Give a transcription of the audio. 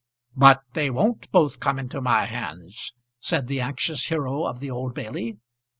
"But they won't both come into my hands," said the anxious hero of the Old Bailey.